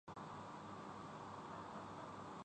انہیں قومی ٹیم کی قیادت سونپنے کا فیصلہ کیا گیا۔